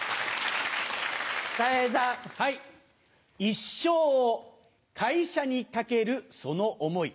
一生を会社に懸けるその思い。